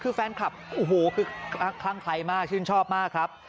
คือแฟนคลับโอ้โหคือคลั่งใครมากชื่นชอบมากครับ